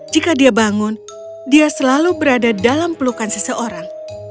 jika dia bangun dia selalu berada dalam pelukan seseorang